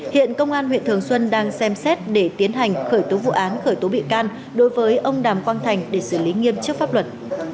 hiện công an huyện thường xuân đang xem xét để tiến hành khởi tố vụ án khởi tố bị can đối với ông đàm quang thành để xử lý nghiêm trước pháp luật